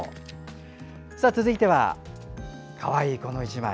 続いては、かわいいこの１枚。